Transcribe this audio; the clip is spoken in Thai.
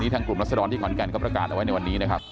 ทางกลุ่มรัศดรที่ขอนแก่นเขาประกาศเอาไว้ในวันนี้นะครับ